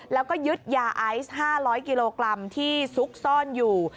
แล้วก็ยึดยาไอซ์๕๐๐กิโลกรัมที่ซุกซ่อนอยู่